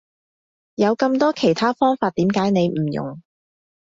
有咁多其他方法點解你唔用？